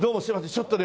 ちょっとね